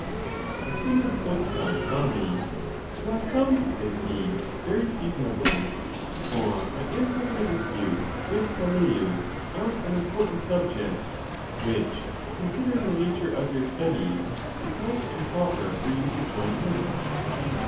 As soon as Cotta saw me, You are come, says he, very seasonably ; for I am having a dispute with Velleius on an important subject, which, considering the nature of your studies, is not improper for you to join in.